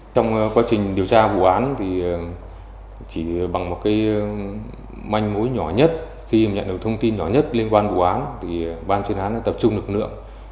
trong quá trình điều tra vụ án thì chỉ bằng một cái manh mối nhỏ nhất khi mà nhận được thông tin nhỏ nhất liên quan vụ án thì ban chuyên án đã tập trung lực lượng